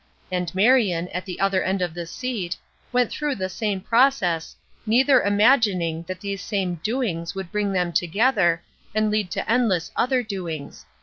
And Marion, at the other end of the seat, went through the same process neither imagining that these same 'doings' would bring them together, and lead to endless other doings.